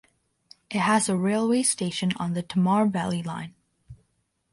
It has a railway station on the Tamar Valley Line.